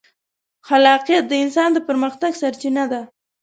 خلاقیت د انسان د پرمختګ سرچینه ده.